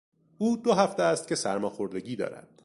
او دو هفته است که سرماخوردگی دارد.